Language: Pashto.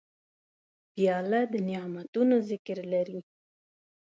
پیاله د نعتونو ذکر لري.